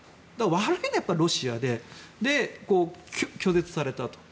悪いのはやっぱりロシアで拒絶されたと。